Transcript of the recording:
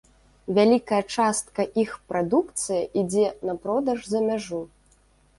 Вялікая частка іх прадукцыя ідзе на продаж за мяжу.